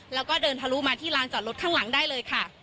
แล้วก็เดินทะลุมาที่ลานจอดรถข้างหลังได้เลยค่ะ